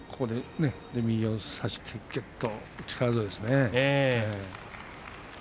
右を差していると力強いですね。